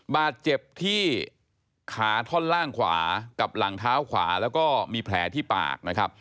บาดเจ็บที่ขาท่อนล่างขวากับหลังเท้าขวาแล้วก็มีแผลที่ปากนะครับ